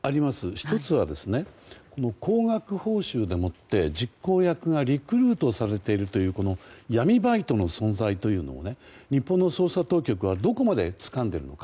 １つは、高額報酬でもって実行役がリクルートされているという闇バイトの存在というのを日本の捜査当局がどこまでつかんでいるか。